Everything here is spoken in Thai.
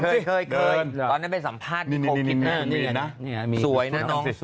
เคยตอนนั้นไปสัมภาษณ์นิโคสวยนะน้องสวย